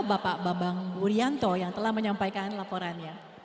bapak babang buryanto yang telah menyampaikan laporannya